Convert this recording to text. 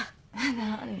何で？